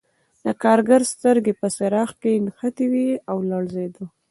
د کارګر سترګې په څراغ کې نښتې وې او لړزېده